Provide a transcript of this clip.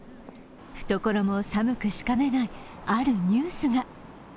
懐も寒くしかねない、あるニュースが。